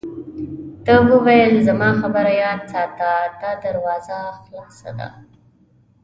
ده وویل: زما خبره یاد ساته، دا دروازه خلاصه ده.